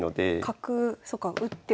角そっか打っても。